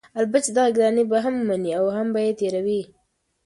البته چې دغه ګرانی به هم مني او هم به یې تېروي؛